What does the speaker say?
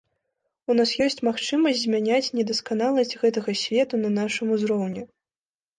У нас ёсць магчымасць змяняць недасканаласць гэтага свету на нашым узроўні.